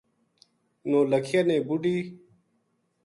نولکھیا نے بڈھی